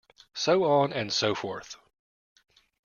So on and so forth.